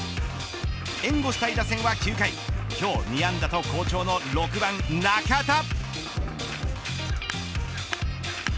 援護したい打線は９回今日２安打と好調の６番中田。